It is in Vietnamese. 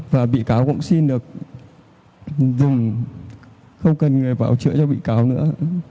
và bị cáo cũng xin được dùng không cần người bảo chữa cho bị cáo nữa